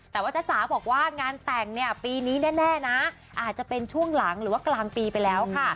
แต่ว่าจ๊ะจ๋าบอกว่างานแต่งเนี่ยปีนี้แน่นะอาจจะเป็นช่วงหลังหรือว่ากลางปีไปแล้วค่ะ